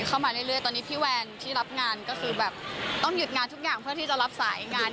เข้ามาเรื่อยตอนนี้พี่แวนต้องหยุดงานทุกอย่างเพื่อที่จะรับสายงาน